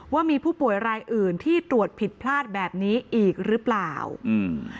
ว่ามีผู้ป่วยรายอื่นที่ตรวจผิดพลาดแบบนี้อีกหรือเปล่าอืม